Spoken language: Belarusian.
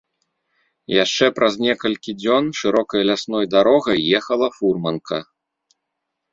Яшчэ праз некалькі дзён шырокай лясной дарогай ехала фурманка.